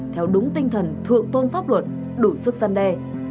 theo đúng tinh thần thượng tôn pháp luật đủ sức gian đe